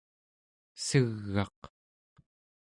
seg'aq